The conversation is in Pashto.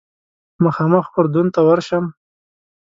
مخامخ اردن ته ورشم.